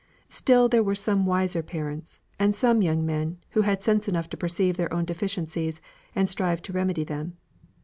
Still there were some wiser parents; and some who had sense enough to perceive their own deficiencies, and strive to remedy them.